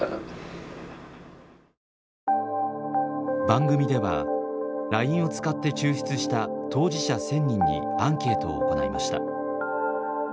番組ではＬＩＮＥを使って抽出した当事者１，０００人にアンケートを行いました。